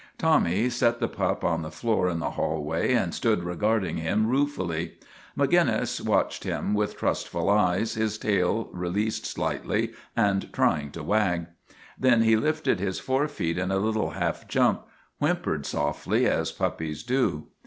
Tommy set the pup on the floor in the hallway and stood regarding him ruefully. Maginnis watched him with trustful eyes, his tail released slightly and trying to wag. Then he lifted his fore feet in a little half jump, whimpering softly as pup pies do.